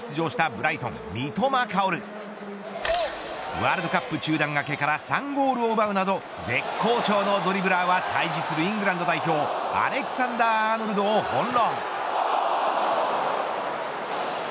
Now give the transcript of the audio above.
強豪リヴァプールの一戦に出場したブライト三笘薫ワールドカップ中断明けから３ゴールを奪うなど絶好調のドリブラーは対峙するイングランド代表アレクサンダー・アーノルドを翻弄。